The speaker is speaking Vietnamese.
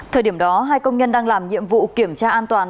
thời điểm đó hai công nhân đang làm nhiệm vụ kiểm tra an toàn